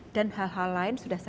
harus ada policy guidance dari kita